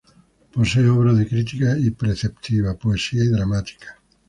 Posee obra de crítica y preceptiva, poesía y dramática.